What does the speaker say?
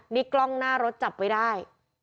นี่กล้องหน้ารถจับไว้ได้